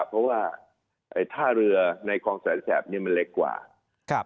เพราะว่าท่าเรือในคลองแสนแสบนี้มันเล็กกว่า